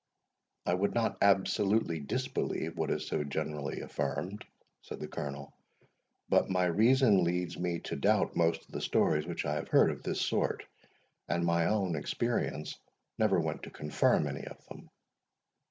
"I would not absolutely disbelieve what is so generally affirmed," said the Colonel; "but my reason leads me to doubt most of the stories which I have heard of this sort, and my own experience never went to confirm any of them."